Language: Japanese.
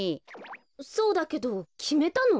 そうだけどきめたの？